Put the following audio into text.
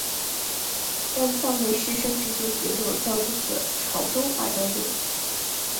但校园内师生之间仍有较多的潮州话交流。